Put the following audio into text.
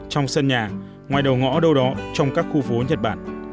trong sân nhà ngoài đầu ngõ đâu đó trong các khu phố nhật bản